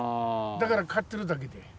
だから刈ってるだけで。